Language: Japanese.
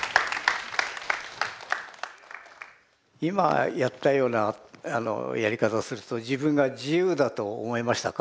今やったようなやり方すると自分が自由だと思いましたか？